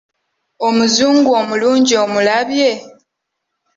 Omuzungu omulungi omulabye?